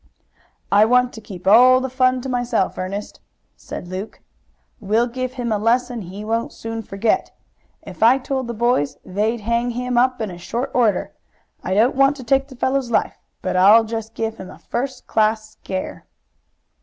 "I want to keep all the fun to myself, Ernest," said Luke. "We'll give him a lesson he won't soon forget. If I told the boys they'd hang him up in short order. I don't want to take the fellow's life, but I'll give him a first class scare."